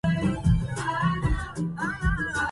إسحاق نيوتن هو من إخترع باب القطط.